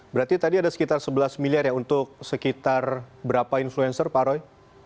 berarti tadi ada sekitar sebelas miliar ya untuk sekitar berapa influencer pak roy